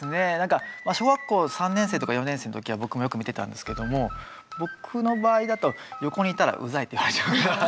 小学校３年生とか４年生の時は僕もよく見てたんですけども僕の場合だと横にいたらウザいって言われちゃうから。